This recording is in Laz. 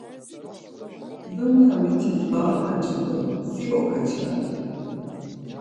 Dunya mitis var akaçu do si okaçarei?